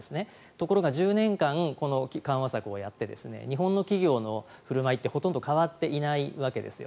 ところが１０年間この緩和策をやって日本の企業の振る舞いってほとんど変わっていないわけですよ。